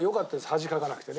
恥かかなくてね。